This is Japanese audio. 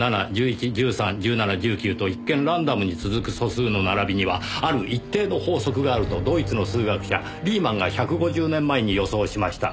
２３５７１１１３１７１９と一見ランダムに続く素数の並びにはある一定の法則があるとドイツの数学者リーマンが１５０年前に予想しました。